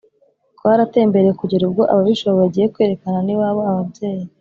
twaratembereye kugera ubwo ababishoboye bagiye kwerekana n’iwabo, ababyeyi